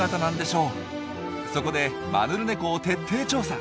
そこでマヌルネコを徹底調査。